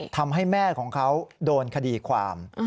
ทำให้แม่ของเขาโดนคดีความ